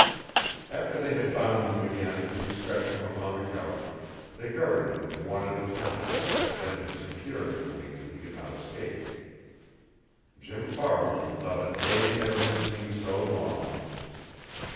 After they had bound him again and stretched him upon the couch, they guarded him one at a time, evidently secure in the belief that he could not escape. Jim Farland thought a day never had seemed so long.